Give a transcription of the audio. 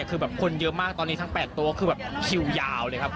คือแบบคนเยอะมากตอนนี้ทั้ง๘ตัวคือแบบคิวยาวเลยครับ